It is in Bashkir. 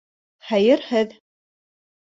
Хәйерһеҙ!